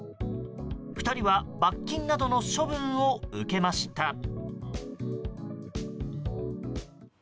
２人は罰金などの処分を受けました。